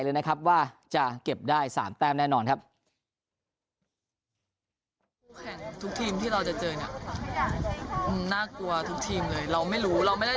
ทุกทีมที่เราจะเจอเนี่ยน่ากลัวทุกทีมเลยเราไม่รู้ว่าเราเนี่ย